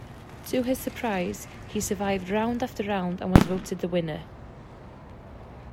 To his surprise, he survived round after round and was voted the winner.